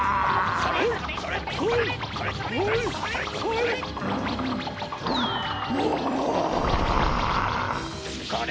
それ！